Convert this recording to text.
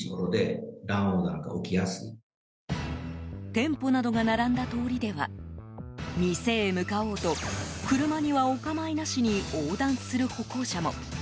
店舗などが並んだ通りでは店へ向かおうと車にはお構いなしに横断する歩行者も。